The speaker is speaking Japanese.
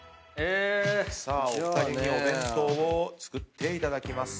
さあお二人にお弁当を作っていただきます。